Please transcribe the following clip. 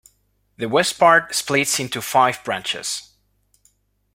The west part splits into five branches.